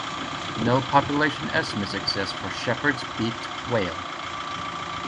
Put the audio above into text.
No population estimates exist for Shepherd's beaked whale.